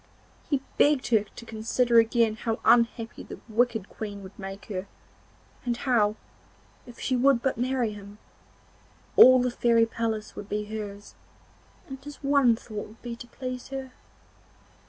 He begged her to consider again how unhappy the wicked Queen would make her, and how, if she would but marry him, all the fairy palace would be hers, and his one thought would be to please her.